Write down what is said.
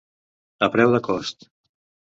A preu de cost.